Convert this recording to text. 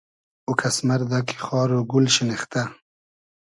او کئس مئردۂ کی خار و گول شینیختۂ